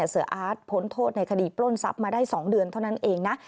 เสืออาร์ตพ้นโทษในคดีปล้นทรัพย์มาได้๒เดือนเท่านั้นเองนะ